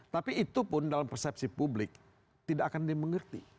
tapi itu pun dalam persepsi publik tidak akan dimengerti